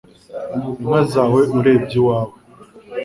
inka zawe urebye iwawe